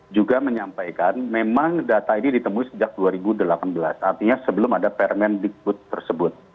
juga menyampaikan memang data ini ditemui sejak dua ribu delapan belas artinya sebelum ada permendikbud tersebut